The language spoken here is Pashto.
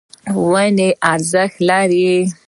ونې ارزښت لري.